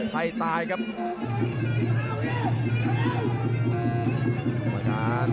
ใครตายครับ